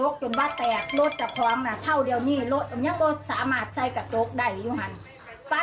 เคยพยายามจะข่มขืนลูกสาวคนโตของแม่